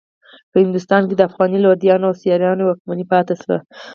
په هندوستان کې د افغاني لودیانو او سوریانو واکمنۍ پاتې شوې.